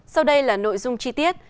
sau đây là nội dung chi tiết